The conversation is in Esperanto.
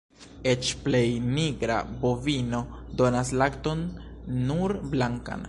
Eĉ plej nigra bovino donas lakton nur blankan.